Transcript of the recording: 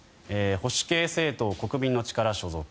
保守系政党、国民の力所属。